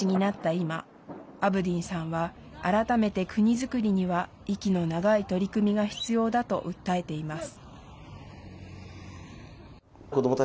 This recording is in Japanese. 今アブディンさんは改めて、国づくりには息の長い取り組みが必要だと訴えています。